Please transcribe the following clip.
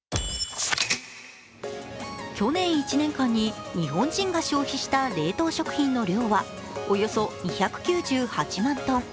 去年１年間に日本人が消費した冷凍食品の量はおよそ２９８万トン。